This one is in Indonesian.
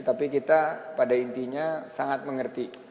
tapi kita pada intinya sangat mengerti